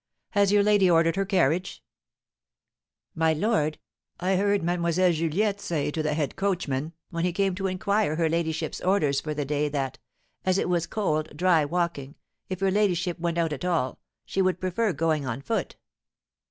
"Has your lady ordered her carriage?" "My lord, I heard Mlle. Juliette say to the head coachman, when he came to inquire her ladyship's orders for the day, that, 'as it was cold, dry walking, if her ladyship went out at all, she would prefer going on foot.'"